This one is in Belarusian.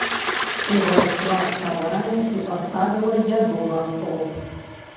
Увайшла старая і паставіла яду на стол.